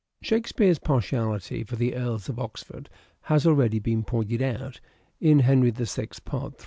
Shakespeare's partiality for the Earls of Oxford has already been pointed out (" Henry VI," part 3).